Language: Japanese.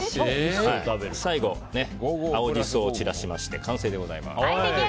最後青ジソを散らしまして完成です。